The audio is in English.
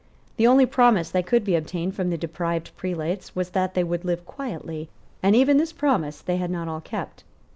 The only promise that could be obtained from the deprived prelates was that they would live quietly; and even this promise they had not all kept.